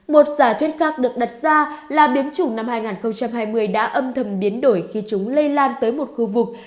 một giả thuyết khác được đặt ra là biến chủng năm hai nghìn hai mươi đã âm thầm biến đổi khi chúng lây lan tới một khu vực